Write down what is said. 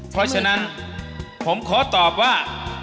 เพราะฉะนั้นผมขอตอบว่า